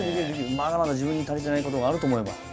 まだまだ自分に足りてないことがあると思えば。